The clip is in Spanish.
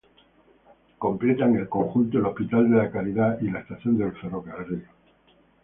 Completan el conjunto el Hospital de Caridad y la estación de ferrocarril.